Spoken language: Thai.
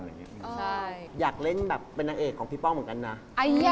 ใช่อยากเล่นแบบเป็นนางเอกของพี่ป้องเหมือนกันนะ